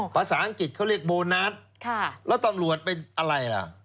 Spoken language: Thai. ภาษาอังกฤษเขาเรียกโบนัสแล้วตำรวจเป็นอะไรล่ะ